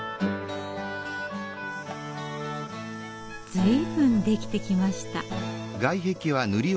随分できてきました。